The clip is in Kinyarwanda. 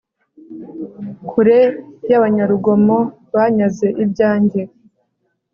kure y'abanyarugomo banyaze ibyanjye